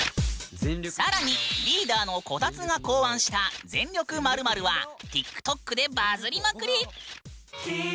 更にリーダーのこたつが考案した「全力○○」はＴｉｋＴｏｋでバズりまくり！